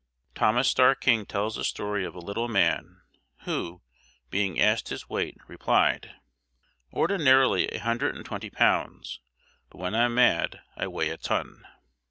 Thomas Starr King tells the story of a little man, who, being asked his weight, replied: "Ordinarily, a hundred and twenty pounds; but when I'm mad, I weigh a ton!"